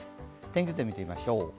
天気図で見ていきましょう。